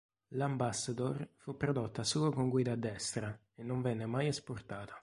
L"'Ambassador" fu prodotta solo con guida a destra e non venne mai esportata.